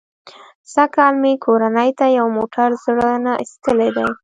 سږ کال مې کورنۍ ته یو موټر زړه نه ایستلی دی.